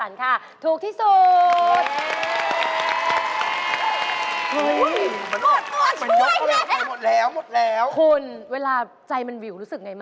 มาแล้ว